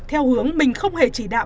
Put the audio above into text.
theo hướng mình không hề chỉ đạo